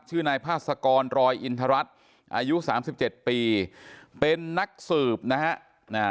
ชื่อนายภาษากรรอยอินทรัศน์อายุ๓๗ปีเป็นนักสืบนะฮะ